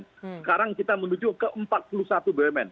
sekarang kita menuju ke empat puluh satu bumn